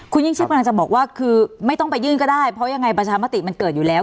คุณยิ่งชิดกำลังจะบอกว่าคือไม่ต้องไปยื่นก็ได้เพราะยังไงประชามติมันเกิดอยู่แล้ว